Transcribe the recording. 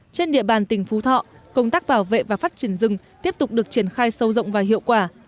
trên địa bàn tỉnh phú thọ công tác bảo vệ và phát triển rừng tiếp tục được triển khai sâu rộng và hiệu quả